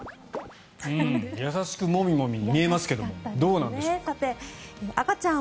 優しくモミモミに見えますけどどうなんでしょう。